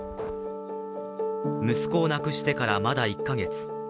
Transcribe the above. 息子を亡くしてから、まだ１か月。